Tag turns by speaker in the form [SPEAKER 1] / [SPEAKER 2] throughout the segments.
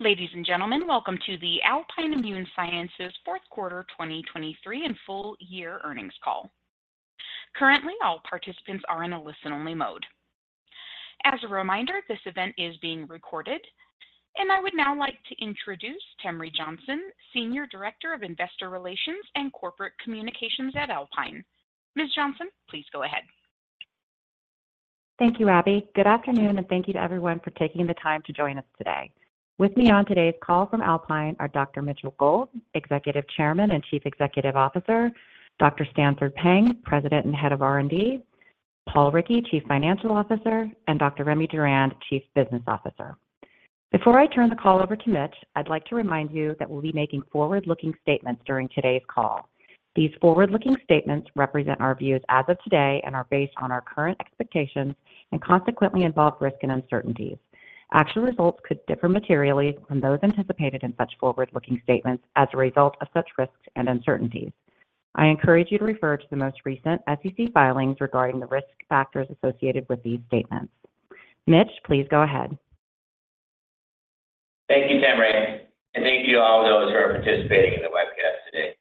[SPEAKER 1] Ladies and gentlemen, welcome to the Alpine Immune Sciences Fourth Quarter 2023 and Full-year Earnings Call. Currently, all participants are in a listen-only mode. As a reminder, this event is being recorded, and I would now like to introduce Temre Johnson, Senior Director of Investor Relations and Corporate Communications at Alpine. Ms. Johnson, please go ahead.
[SPEAKER 2] Thank you, Abby. Good afternoon, and thank you to everyone for taking the time to join us today. With me on today's call from Alpine are Dr. Mitchell Gold, Executive Chairman and Chief Executive Officer, Dr. Stanford Peng, President and Head of R&D, Paul Rickey, Chief Financial Officer, and Dr. Remy Durand, Chief Business Officer. Before I turn the call over to Mitch, I'd like to remind you that we'll be making forward-looking statements during today's call. These forward-looking statements represent our views as of today and are based on our current expectations and consequently involve risk and uncertainties. Actual results could differ materially from those anticipated in such forward-looking statements as a result of such risks and uncertainties. I encourage you to refer to the most recent SEC filings regarding the risk factors associated with these statements. Mitch, please go ahead.
[SPEAKER 3] Thank you, Temre, and thank you to all those who are participating in the webcast today.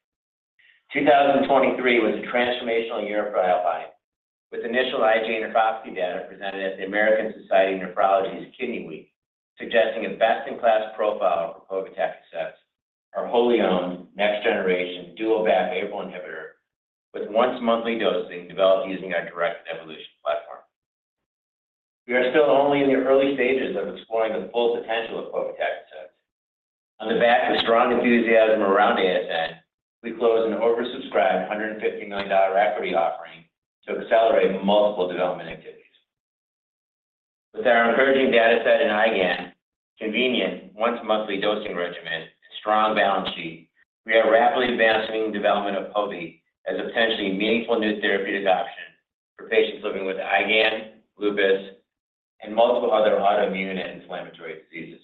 [SPEAKER 3] 2023 was a transformational year for Alpine, with initial IgA nephropathy data presented at the American Society of Nephrology's Kidney Week, suggesting a best-in-class profile for povetacicept, our wholly owned, next generation, dual BAFF/APRIL inhibitor with once monthly dosing developed using our directed evolution platform. We are still only in the early stages of exploring the full potential of povetacicept. On the back of strong enthusiasm around ASN, we closed an oversubscribed $150 million equity offering to accelerate multiple development activities. With our encouraging data set in IgAN, convenient once monthly dosing regimen, and strong balance sheet, we are rapidly advancing development of povetacicept as a potentially meaningful new therapy option for patients living with IgAN, lupus, and multiple other autoimmune and inflammatory diseases.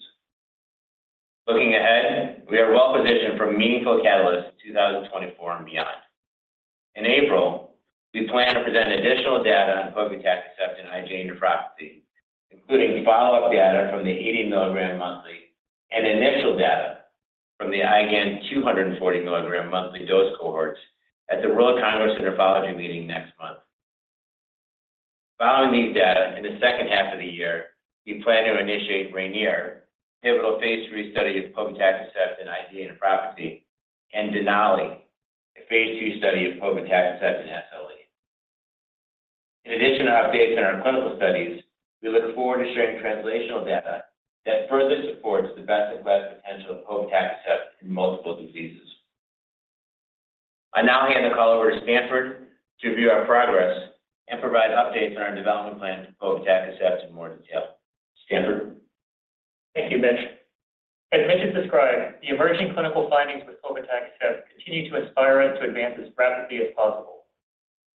[SPEAKER 3] Looking ahead, we are well-positioned for meaningful catalysts in 2024 and beyond. In April, we plan to present additional data on povetacicept and IgA nephropathy, including follow-up data from the 80-milligram monthly and initial data from the IgAN 240-milligram monthly dose cohorts at the World Congress of Nephrology meeting next month. Following these data, in the second half of the year, we plan to initiate RAINIER, pivotal phase 3 study of povetacicept in IgA nephropathy and DENALI, a phase 2 study of povetacicept in SLE. In addition to updates on our clinical studies, we look forward to sharing translational data that further supports the BAFF and APRIL potential of povetacicept in multiple diseases. I now hand the call over to Stanford to review our progress and provide updates on our development plan for povetacicept in more detail. Stanford?
[SPEAKER 4] Thank you, Mitch. As Mitch described, the emerging clinical findings with povetacicept continue to inspire us to advance as rapidly as possible.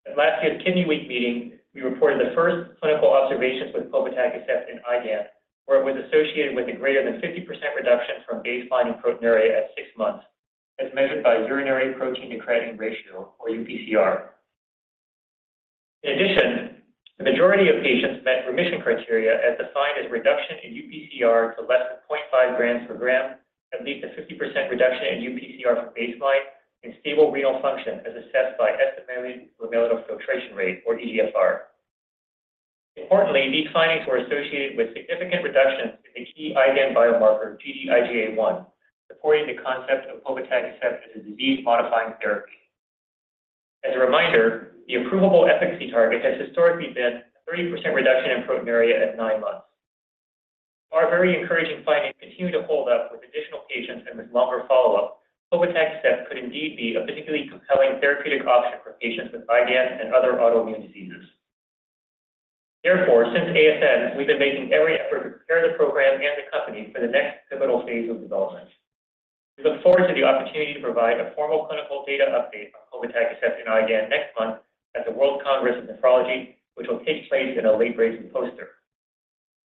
[SPEAKER 4] At last year's Kidney Week meeting, we reported the first clinical observations with povetacicept in IGAN, where it was associated with a greater than 50% reduction from baseline in proteinuria at six months, as measured by urinary protein to creatinine ratio or UPCR. In addition, the majority of patients met remission criteria as defined as reduction in UPCR to less than 0.5 grams per gram, at least a 50% reduction in UPCR from baseline, and stable renal function, as assessed by estimated glomerular filtration rate or eGFR. Importantly, these findings were associated with significant reductions in the key IGAN biomarker, Gd-IgA1, supporting the concept of povetacicept as a disease-modifying therapy. As a reminder, the approvable efficacy target has historically been a 30% reduction in proteinuria at nine months. Our very encouraging findings continue to hold up with additional patients and with longer follow-up. Povetacicept could indeed be a particularly compelling therapeutic option for patients with IgAN and other autoimmune diseases. Therefore, since ASN, we've been making every effort to prepare the program and the company for the next pivotal phase of development. We look forward to the opportunity to provide a formal clinical data update on povetacicept in IgAN next month at the World Congress of Nephrology, which will take place in a late-breaking poster.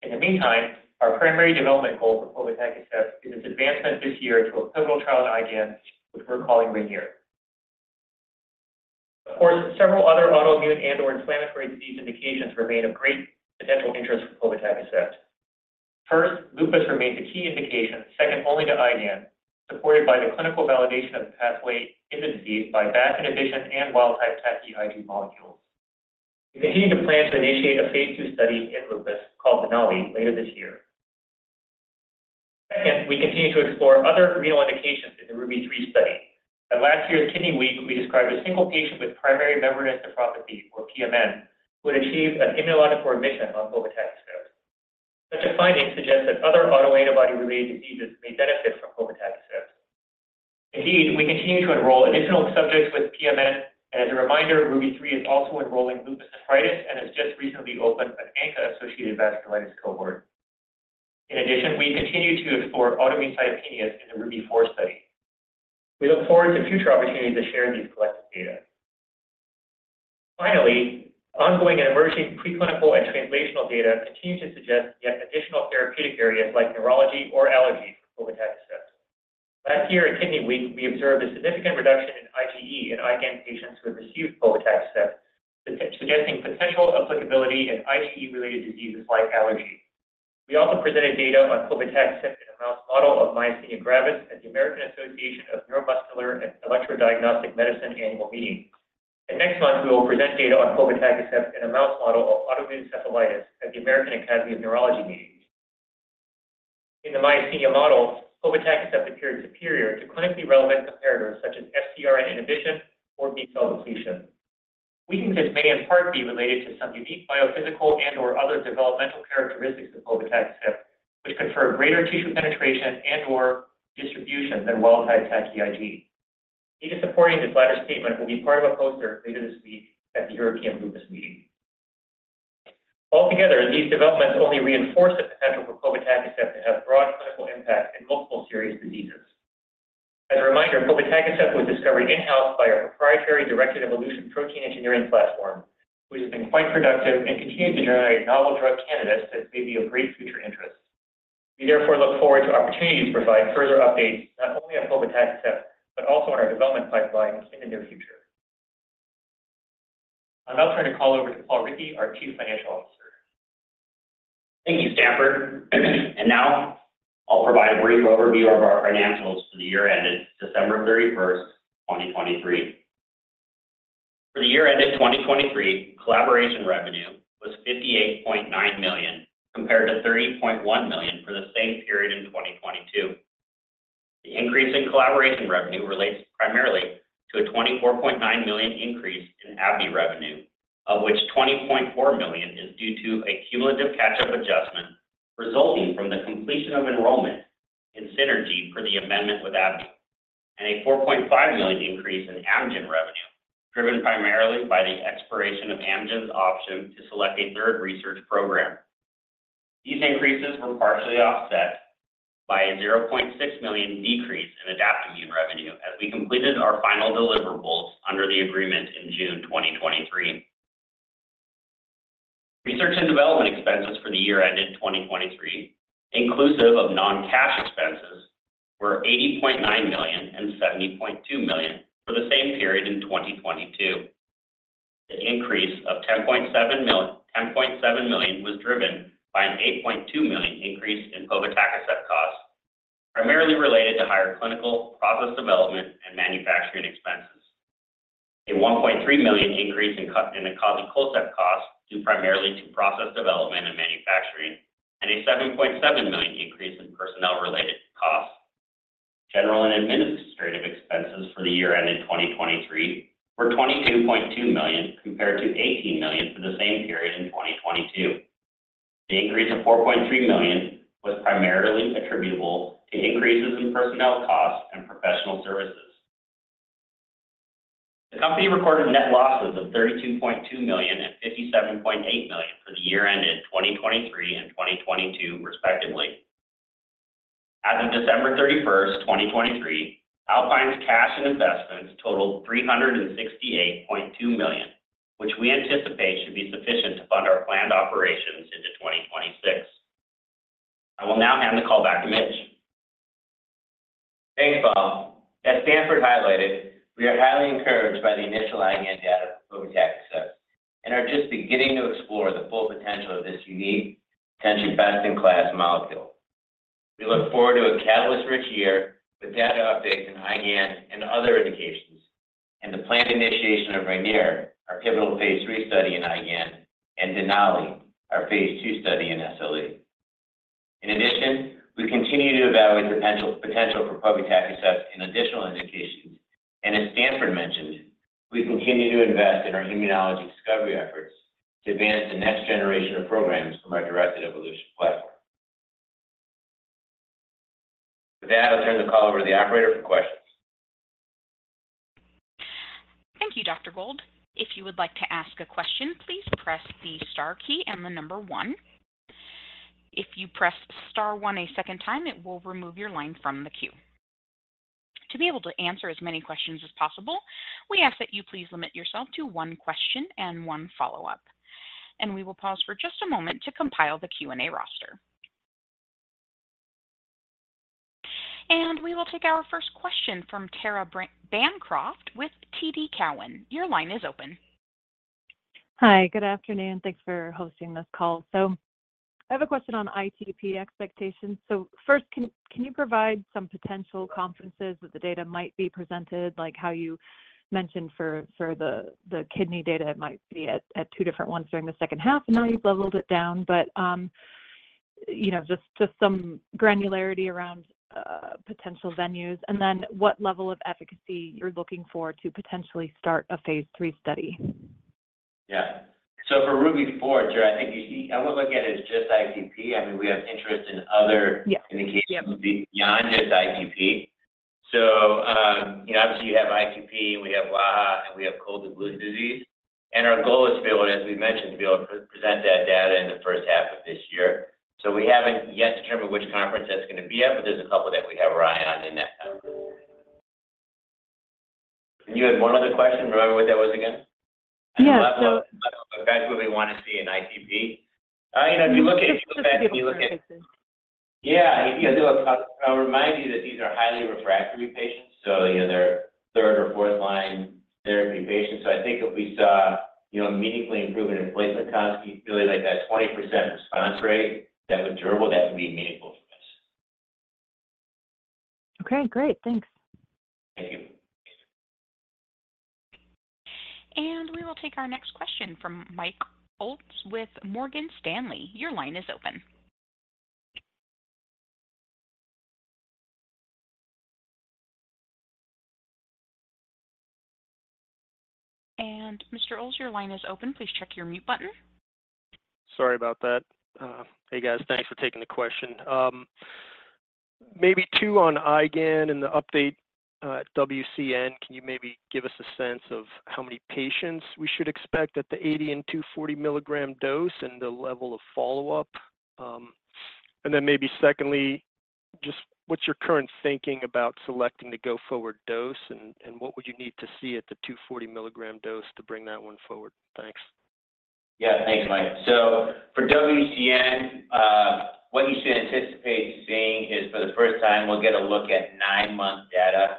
[SPEAKER 4] In the meantime, our primary development goal for povetacicept is its advancement this year to a pivotal trial in IgAN, which we're calling RAINIER. Of course, several other autoimmune and or inflammatory disease indications remain of great potential interest for povetacicept. First, lupus remains a key indication, second only to IgAN, supported by the clinical validation of the pathway in the disease by BAFF inhibition and wild-type TACI-Ig molecules. We continue to plan to initiate a phase 2 study in lupus, called DENALI, later this year. Second, we continue to explore other renal indications in the RUBY-3 study. At last year's Kidney Week, we described a single patient with primary membranous nephropathy, or pMN, who had achieved an immunologic remission on povetacicept. Such a finding suggests that other autoantibody-related diseases may benefit from povetacicept. Indeed, we continue to enroll additional subjects with pMN, and as a reminder, RUBY-3 is also enrolling lupus nephritis and has just recently opened an ANCA-associated vasculitis cohort. In addition, we continue to explore autoimmune myasthenia in the RUBY-4 study. We look forward to future opportunities to share these collective data. Finally, ongoing and emerging preclinical and translational data continue to suggest yet additional therapeutic areas like neurology or allergies for povetacicept. Last year at Kidney Week, we observed a significant reduction in IgE in IgAN patients who had received povetacicept, suggesting potential applicability in IgE-related diseases like allergy. We also presented data on povetacicept in a mouse model of myasthenia gravis at the American Association of Neuromuscular and Electrodiagnostic Medicine annual meeting. And next month, we will present data on povetacicept in a mouse model of autoimmune encephalitis at the American Academy of Neurology meeting. In the myasthenia model, povetacicept appeared superior to clinically relevant comparators such as FcRn inhibition or B-cell depletion. We think this may in part be related to some unique biophysical and/or other developmental characteristics of povetacicept, which confer greater tissue penetration and/or distribution than wild-type TACI-Ig. Data supporting this latter statement will be part of a poster later this week at the European Lupus Meeting. Altogether, these developments only reinforce the potential for povetacicept to have broad clinical impact in multiple serious diseases. As a reminder, povetacicept was discovered in-house by our proprietary directed evolution protein engineering platform, which has been quite productive and continues to generate novel drug candidates that may be of great future interest. We therefore look forward to opportunities to provide further updates, not only on povetacicept, but also on our development pipeline in the near future. I'll now turn the call over to Paul Rickey, our Chief Financial Officer.
[SPEAKER 5] Thank you, Stanford. And now I'll provide a brief overview of our financials for the year ended December 31, 2023. For the year ended 2023, collaboration revenue was $58.9 million, compared to $30.1 million for the same period in 2022. The increase in collaboration revenue relates primarily to a $24.9 million increase in AbbVie revenue, of which $20.4 million is due to a cumulative catch-up adjustment resulting from the completion of enrollment in SYNERGY for the amendment with AbbVie, and a $4.5 million increase in Amgen revenue, driven primarily by the expiration of Amgen's option to select a third research program. These increases were partially offset by a $0.6 million decrease in Adaptimmune revenue, as we completed our final deliverables under the agreement in June 2023. Research and development expenses for the year ended 2023, inclusive of non-cash expenses, were $80.9 million and $70.2 million for the same period in 2022. The increase of $10.7 million was driven by an $8.2 million increase in povetacicept costs, primarily related to higher clinical, process development, and manufacturing expenses. A $1.3 million increase in acazicolcept costs, due primarily to process development and manufacturing, and a $7.7 million increase in personnel-related costs. General and administrative expenses for the year ended 2023 were $22.2 million, compared to $18 million for the same period in 2022. The increase of $4.3 million was primarily attributable to increases in personnel costs and professional services. The company recorded net losses of $32.2 million and $57.8 million for the year ended 2023 and 2022, respectively. As of December 31, 2023, Alpine's cash and investments totaled $368.2 million, which we anticipate should be sufficient to fund our planned operations into 2026. I will now hand the call back to Mitch.
[SPEAKER 3] Thanks, Paul. As Stanford highlighted, we are highly encouraged by the initial IgAN data for povetacicept and are just beginning to explore the full potential of this unique, potentially best-in-class molecule. We look forward to a catalyst-rich year with data updates in IgAN and other indications, and the planned initiation of RAINIER, our pivotal Phase 3 study in IgAN, and DENALI, our Phase 2 study in SLE. In addition, we continue to evaluate potential for povetacicept in additional indications, and as Stanford mentioned, we continue to invest in our immunology discovery efforts to advance the next generation of programs from our directed evolution platform. With that, I'll turn the call over to the operator for questions.
[SPEAKER 1] Thank you, Dr. Gold. If you would like to ask a question, please press the star key and the number one. If you press star one a second time, it will remove your line from the queue. To be able to answer as many questions as possible, we ask that you please limit yourself to one question and one follow-up. We will pause for just a moment to compile the Q&A roster. We will take our first question from Tara Bancroft with TD Cowen. Your line is open.
[SPEAKER 6] Hi, good afternoon. Thanks for hosting this call. So I have a question on ITP expectations. So first, can you provide some potential conferences that the data might be presented, like how you mentioned for the kidney data, it might be at two different ones during the second half? I know you've leveled it down, but you know, just some granularity around potential venues. And then what level of efficacy you're looking for to potentially start a phase 3 study?
[SPEAKER 4] Yeah. So for RUBY-4, I think you... I wouldn't look at it as just ITP. I mean, we have interest in other indications beyond just ITP. So, you know, obviously, you have ITP, we have wAIHA, and we have cold agglutinin disease. And our goal is to be able, as we've mentioned, to be able to present that data in the first half of this year. So we haven't yet determined which conference that's going to be at, but there's a couple that we have our eye on in that time.
[SPEAKER 3] You had one other question. Remember what that was again? What level of guys would we want to see in ITP? You know, if you look at- Yeah, if you do, I'll remind you that these are highly refractory patients, so, you know, they're third or fourth line therapy patients. So I think if we saw, you know, a meaningful improvement in platelet counts really like that 20% response rate that would durable, that would be meaningful for us.
[SPEAKER 6] Okay, great. Thanks.
[SPEAKER 3] Thank you.
[SPEAKER 1] We will take our next question from Mike Ulz with Morgan Stanley. Your line is open. Mr. Ulz, your line is open. Please check your mute button.
[SPEAKER 7] Sorry about that. Hey, guys. Thanks for taking the question. Maybe two on IgAN and the update, WCN. Can you maybe give us a sense of how many patients we should expect at the 80- and 240-milligram dose and the level of follow-up? And then maybe secondly, just what's your current thinking about selecting the go-forward dose, and, and what would you need to see at the 240-milligram dose to bring that one forward? Thanks.
[SPEAKER 3] Yeah, thanks, Mike. So for WCN, what you should anticipate seeing is, for the first time, we'll get a look at 9-month data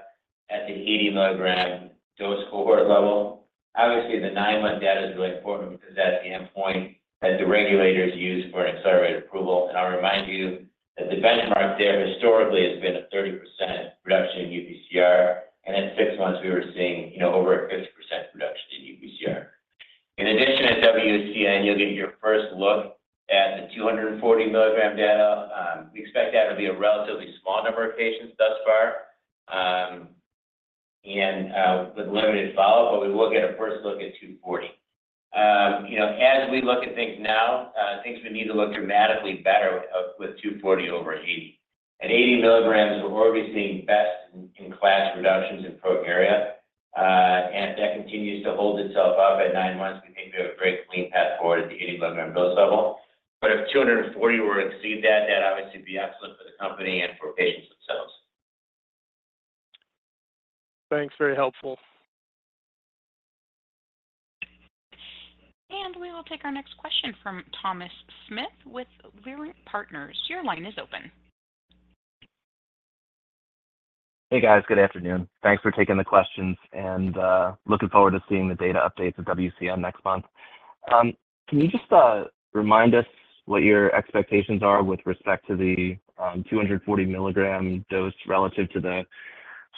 [SPEAKER 3] at the 80 milligram dose cohort level. Obviously, the 9-month data is really important because that's the endpoint that the regulators use for an accelerated approval. And I'll remind you that the benchmark there historically has been a 30% reduction in UPCR, and at 6 months we were seeing, you know, over a 50% reduction in UPCR. In addition, at WCN, you'll get your first look at the 240 milligram data. We expect that to be a relatively small number of patients thus far, and with limited follow-up, but we will get a first look at 240. You know, as we look at things now, things would need to look dramatically better with 240 over 80. At 80 milligrams, we're already seeing best-in-class reductions in proteinuria, and if that continues to hold itself up at 9 months, we think we have a great clean path forward at the 80 milligram dose level. But if 240 were to exceed that, that obviously be excellent for the company and for patients themselves.
[SPEAKER 7] Thanks, very helpful.
[SPEAKER 1] We will take our next question from Thomas Smith with Leerink Partners. Your line is open.
[SPEAKER 8] Hey, guys. Good afternoon. Thanks for taking the questions, and looking forward to seeing the data updates at WCN next month. Can you just remind us what your expectations are with respect to the 240 milligram dose relative to the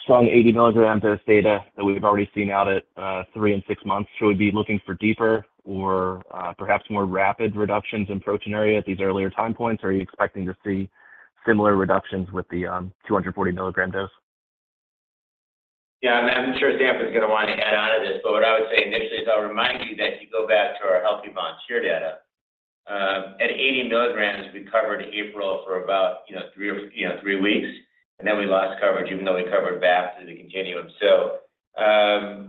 [SPEAKER 8] strong 80 milligram dose data that we've already seen out at 3 and 6 months? Should we be looking for deeper or perhaps more rapid reductions in proteinuria at these earlier time points, or are you expecting to see similar reductions with the 240 milligram dose?
[SPEAKER 3] Yeah, and I'm sure Sam is gonna want to add on to this, but what I would say initially is I'll remind you that you go back to our healthy volunteer data. At 80 milligrams, we covered APRIL for about, you know, 3 or, you know, 3 weeks, and then we lost coverage even though we covered back through the continuum. So,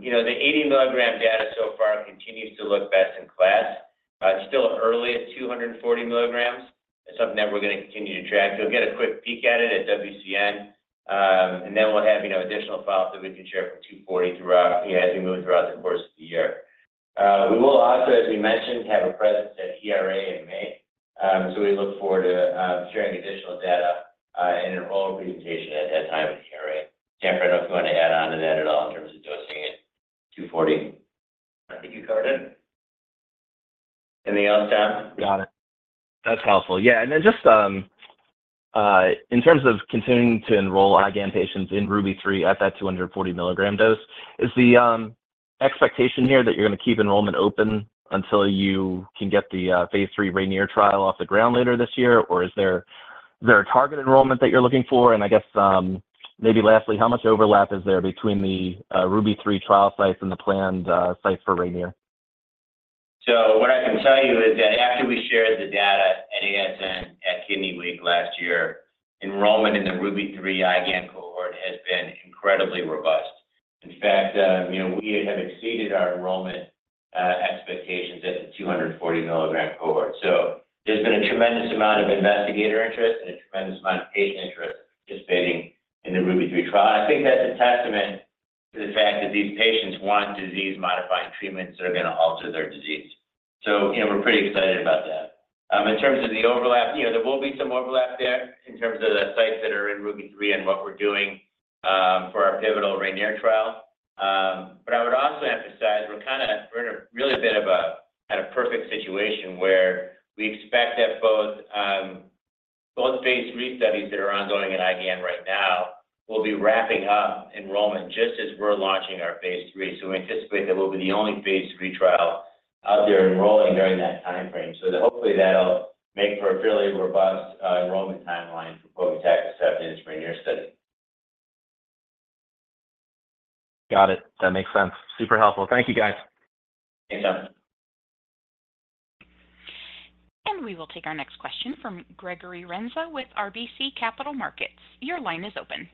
[SPEAKER 3] you know, the 80 milligram data so far continues to look best in class. It's still early at 240 milligrams. It's something that we're gonna continue to track. You'll get a quick peek at it at WCN, and then we'll have, you know, additional files that we can share for 240 throughout, you know, as we move throughout the course of the year. We will also, as we mentioned, have a presence at ERA in May. We look forward to sharing additional data in an oral presentation at that time in ERA. Sam, I don't know if you want to add on to that at all in terms of dosing at 240. I think you covered it. Anything else, Tom?
[SPEAKER 8] Got it. That's helpful. Yeah, and then just, in terms of continuing to enroll IgAN patients in RUBY-3 at that 240 milligram dose, is the expectation here that you're gonna keep enrollment open until you can get the, phase 3 RAINIER trial off the ground later this year? Or is there a target enrollment that you're looking for? And I guess, maybe lastly, how much overlap is there between the, RUBY-3 trial sites and the planned, sites for RAINIER?
[SPEAKER 3] So what I can tell you is that after we shared the data at ASN at Kidney Week last year, enrollment in the RUBY-3 IgAN cohort has been incredibly robust. In fact, you know, we have exceeded our enrollment expectations at the 240 milligram cohort. So there's been a tremendous amount of investigator interest and a tremendous amount of patient interest participating in the RUBY-3 trial. I think that's a testament to the fact that these patients want disease-modifying treatments that are gonna alter their disease. So, you know, we're pretty excited about that. In terms of the overlap, you know, there will be some overlap there in terms of the sites that are in RUBY-3 and what we're doing for our pivotal RAINIER trial. But I would also emphasize we're in a really bit of a perfect situation where we expect that both phase 3 studies that are ongoing at IgAN right now will be wrapping up enrollment just as we're launching our phase 3. So we anticipate that we'll be the only phase 3 trial out there enrolling during that timeframe. So that hopefully, that'll make for a fairly robust enrollment timeline for povetacicept in the RAINIER study.
[SPEAKER 8] Got it. That makes sense. Super helpful. Thank you, guys.
[SPEAKER 3] Thanks, Tom.
[SPEAKER 1] We will take our next question from Gregory Renza with RBC Capital Markets. Your line is open.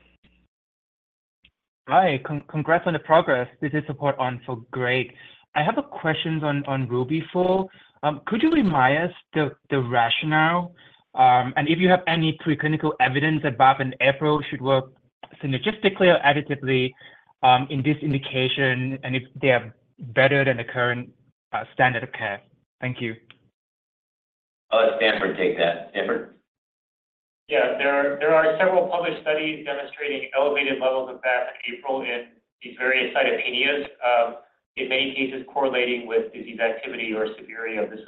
[SPEAKER 9] Hi, congrats on the progress. This is such great support. I have a question on RUBY. Could you remind us of the rationale, and if you have any preclinical evidence that BAFF and APRIL should work synergistically or additively, in this indication, and if they are better than the current standard of care? Thank you.
[SPEAKER 3] I'll let Stanford take that. Stanford?
[SPEAKER 4] Yeah, there are several published studies demonstrating elevated levels of BAFF and APRIL in these various cytopenias, in many cases correlating with disease activity or severity of the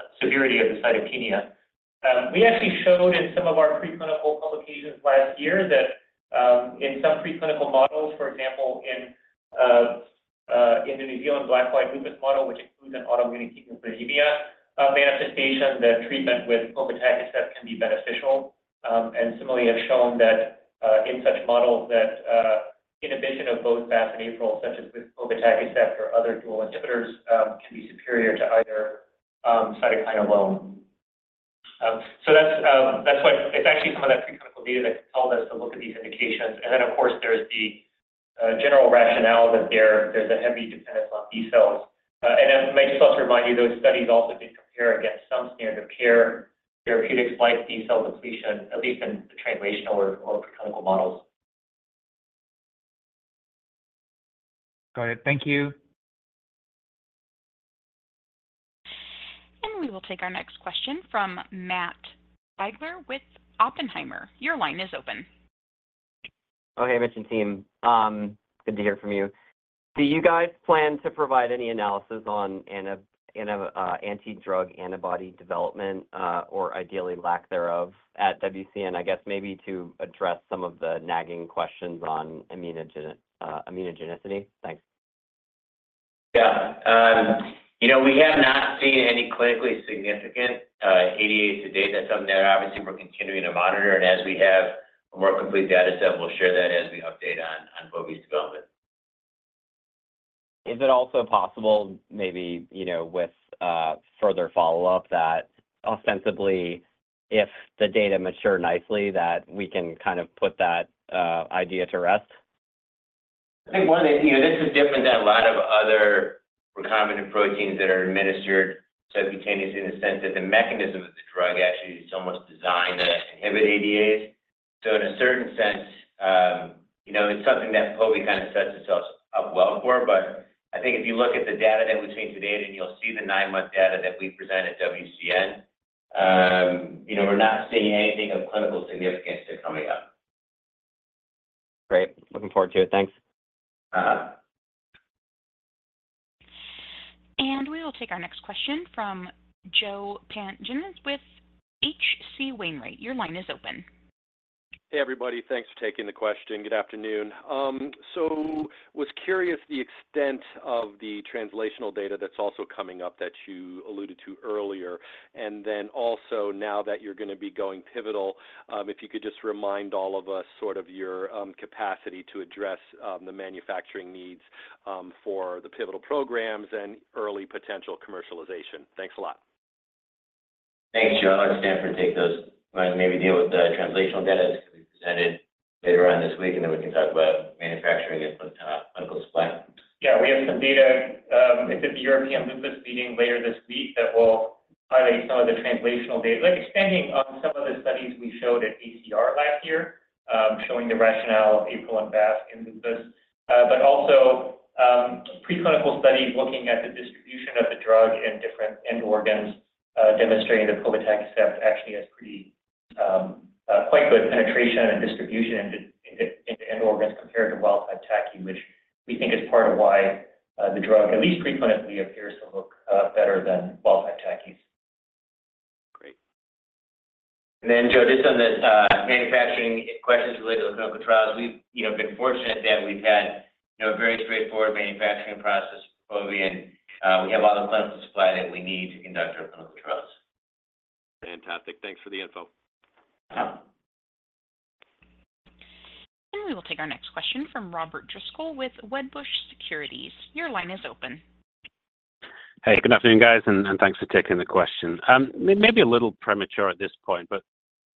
[SPEAKER 4] cytopenia. We actually showed in some of our preclinical publications last year that, in some preclinical models, for example, in the New Zealand Black/White lupus model, which includes an autoimmune thrombocytopenia manifestation, that treatment with povetacicept can be beneficial. And similarly have shown that in such models inhibition of both BAFF and APRIL, such as with povetacicept or other dual inhibitors, can be superior to either cytokine alone. So that's why it's actually some of that preclinical data that told us to look at these indications. Then, of course, there's the general rationale that there's a heavy dependence on B cells. I'd just also remind you, those studies also did compare against some standard of care therapeutics, like B cell depletion, at least in the translational or preclinical models.
[SPEAKER 9] Got it. Thank you.
[SPEAKER 1] We will take our next question from Matt Biegler with Oppenheimer. Your line is open.
[SPEAKER 10] Okay, management team, good to hear from you. Do you guys plan to provide any analysis on anti-drug antibody development, or ideally lack thereof at WCN? I guess maybe to address some of the nagging questions on immunogenicity. Thanks.
[SPEAKER 3] Yeah. You know, we have not seen any clinically significant ADA to date. That's something that obviously we're continuing to monitor, and as we have a more complete data set, we'll share that as we update on what we've developed.
[SPEAKER 10] Is it also possible, maybe, you know, with further follow-up, that ostensibly, if the data mature nicely, that we can kind of put that idea to rest?
[SPEAKER 3] I think one is, you know, this is different than a lot of other recombinant proteins that are administered subcutaneously, in the sense that the mechanism of the drug actually is almost designed to inhibit ADAs. So in a certain sense, you know, it's something that povetacicept kind of sets itself up well for. But I think if you look at the data that we've seen to date, and you'll see the nine-month data that we present at WCN, you know, we're not seeing anything of clinical significance there coming up.
[SPEAKER 10] Great. Looking forward to it. Thanks.
[SPEAKER 1] We will take our next question from Joe Pantginis with H.C. Wainwright. Your line is open. Hey, everybody. Thanks for taking the question. Good afternoon. So was curious the extent of the translational data that's also coming up that you alluded to earlier, and then also now that you're gonna be going pivotal, if you could just remind all of us sort of your, capacity to address, the manufacturing needs, for the pivotal programs and early potential commercialization. Thanks a lot.
[SPEAKER 3] Thanks, Joe. I'll let Stanford take those and maybe deal with the translational data that we presented later on this week, and then we can talk about manufacturing and clinical supply.
[SPEAKER 4] Yeah, we have some data, it's at the European Lupus Meeting later this week that will highlight some of the translational data. Like, expanding on some of the studies we showed at ACR last year, showing the rationale of APRIL and BAFF in lupus, but also, preclinical studies looking at the distribution of the drug in different end organs, demonstrating that povetacicept actually has pretty, quite good penetration and distribution into end organs compared to wild-type TACI, which we think is part of why, the drug, at least preclinically, appears to look better than wild-type TACI.
[SPEAKER 3] And then, Joe, just on the manufacturing questions related to the clinical trials, we've, you know, been fortunate that we've had, you know, a very straightforward manufacturing process for povetacicept. And we have a lot of plans to supply that we need to conduct our clinical trials.
[SPEAKER 11] Fantastic. Thanks for the info.
[SPEAKER 3] Yeah.
[SPEAKER 1] And we will take our next question from Robert Driscoll with Wedbush Securities. Your line is open.
[SPEAKER 12] Hey, good afternoon, guys, and thanks for taking the question. It may be a little premature at this point, but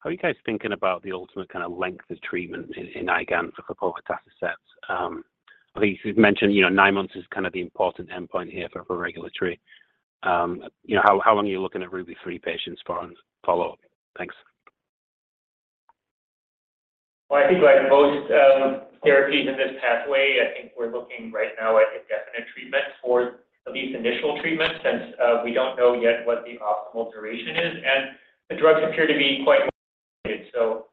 [SPEAKER 12] how are you guys thinking about the ultimate kinda length of treatment in IgAN for povetacicept? I think you've mentioned, you know, nine months is kind of the important endpoint here for regulatory. You know, how long are you looking at RUBY-3 patients for follow-up? Thanks.
[SPEAKER 4] Well, I think like most therapies in this pathway, I think we're looking right now at indefinite treatment for at least initial treatment, since we don't know yet what the optimal duration is, and the drugs appear to be quite... So,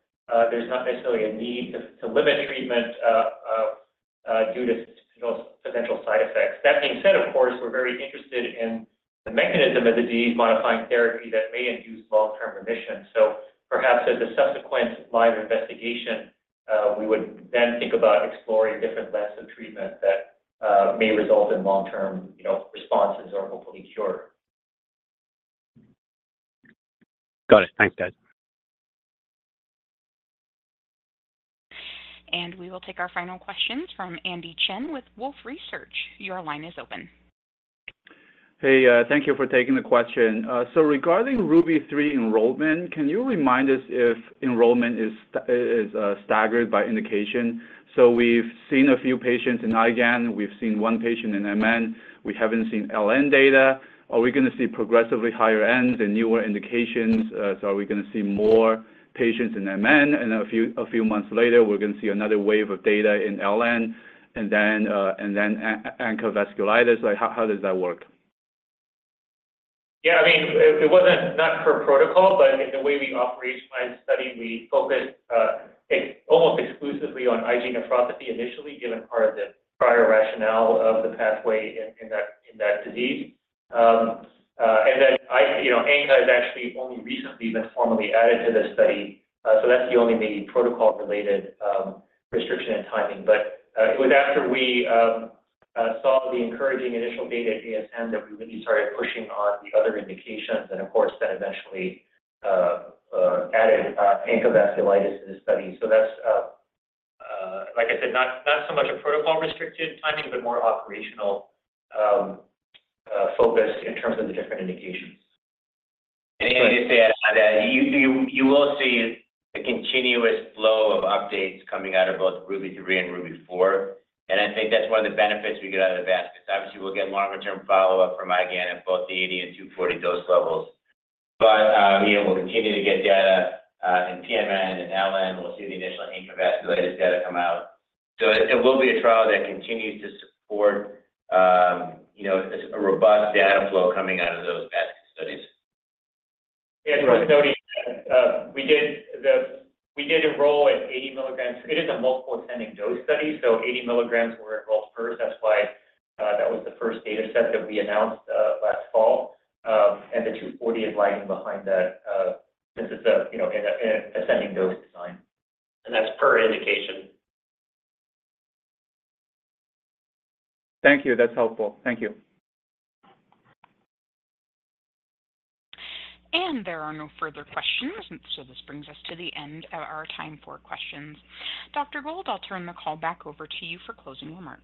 [SPEAKER 4] there's not necessarily a need to limit treatment due to, you know, potential side effects. That being said, of course, we're very interested in the mechanism of the disease-modifying therapy that may induce long-term remission. So perhaps as a subsequent line of investigation, we would then think about exploring different lengths of treatment that may result in long-term, you know, responses or hopefully cure.
[SPEAKER 12] Got it. Thanks, guys.
[SPEAKER 1] We will take our final questions from Andy Chen with Wolfe Research. Your line is open.
[SPEAKER 13] Hey, thank you for taking the question. So regarding RUBY-3 enrollment, can you remind us if enrollment is staggered by indication? So we've seen a few patients in IGAN, we've seen one patient in MN, we haven't seen LN data. Are we gonna see progressively higher n's and newer indications? So are we gonna see more patients in MN, and a few months later, we're gonna see another wave of data in LN and then ANCA-associated vasculitis? Like, how does that work?
[SPEAKER 4] Yeah, I mean, it, it wasn't not per protocol, but in the way we operationalized the study, we focused almost exclusively on IgA nephropathy initially, given part of the prior rationale of the pathway in, in that, in that disease. And then I, you know, ANCA has actually only recently been formally added to this study, so that's the only maybe protocol-related restriction and timing. But it was after we saw the encouraging initial data at ASN that we really started pushing on the other indications, and of course, then eventually added ANCA vasculitis to the study. So that's, like I said, not, not so much a protocol-restricted timing, but more operational focus in terms of the different indications.
[SPEAKER 3] And just to add to that, you will see a continuous flow of updates coming out of both RUBY-3 and RUBY-4, and I think that's one of the benefits we get out of the basket. Obviously, we'll get longer-term follow-up from IgA at both the 80 and 240 dose levels. But you know, we'll continue to get data in pMN and LN. We'll see the initial ANCA vasculitis data come out. So it will be a trial that continues to support, you know, a robust data flow coming out of those basket studies.
[SPEAKER 4] Yeah, just noting, we did enroll at 80 milligrams. It is a multiple ascending dose study, so 80 milligrams were enrolled first. That's why that was the first dataset that we announced last fall. And the 240 is lagging behind that, since it's a, you know, an ascending dose design, and that's per indication.
[SPEAKER 13] Thank you. That's helpful. Thank you.
[SPEAKER 1] There are no further questions, and so this brings us to the end of our time for questions. Dr. Gold, I'll turn the call back over to you for closing remarks.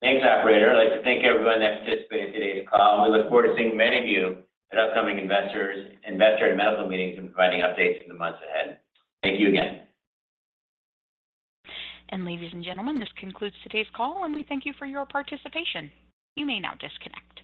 [SPEAKER 3] Thanks, operator. I'd like to thank everyone that participated in today's call. We look forward to seeing many of you at upcoming investor and medical meetings and providing updates in the months ahead. Thank you again.
[SPEAKER 1] Ladies and gentlemen, this concludes today's call, and we thank you for your participation. You may now disconnect.